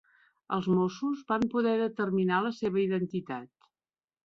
Els mossos van poder determinar la seva identitat.